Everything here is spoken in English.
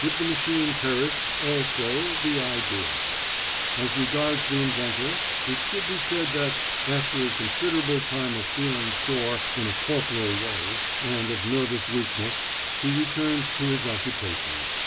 With the machine perished also the idea. As regards the inventor, it should be said that, after a considerable time of feeling sore in a corporal way and of nervous weakness, he returned to his occupation.